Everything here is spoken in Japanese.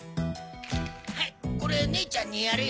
はいこれねえちゃんにやるよ。